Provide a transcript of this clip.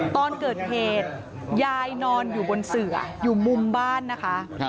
ตอนเกิดเหตุยายนอนอยู่บนเสืออยู่มุมบ้านนะคะ